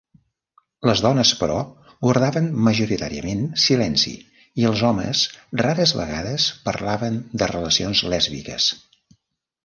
Les dones, però, guardaven majoritàriament silenci i els homes rares vegades parlaven de relacions lèsbiques.